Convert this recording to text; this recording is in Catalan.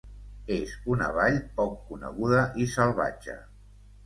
És una vall poc coneguda i salvatge.